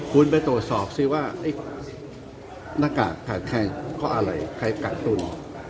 คุณไปตรวจสอบสิว่าน้ากากขาดแค่ข้ออะไรใครกัดตัว